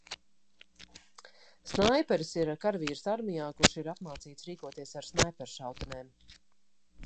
Snaiperis ir karavīrs armijā, kurš ir apmācīts rīkoties ar snaiperšautenēm.